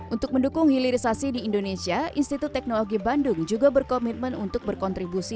untuk mendukung hilirisasi di indonesia institut teknologi bandung juga berkomitmen untuk berkontribusi